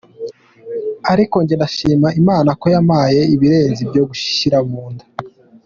Ariko jye ndashimira Imana ko yampaye ibirenze ibyo gushyira mu nda.